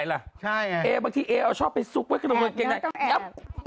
ใช่ไงแอบ้างทีแอเอาชอบไปซุกเกรงไหนแอบ